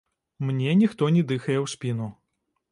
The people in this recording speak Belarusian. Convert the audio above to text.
Мне ніхто не дыхае ў спіну.